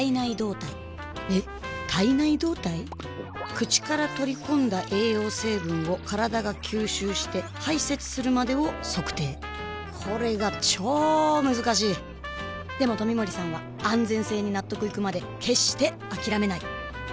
口から取り込んだ栄養成分を体が吸収して排泄するまでを測定これがチョー難しいでも冨森さんは安全性に納得いくまで決してあきらめない！